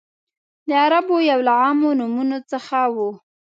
د عربو یو له عامو نومونو څخه و.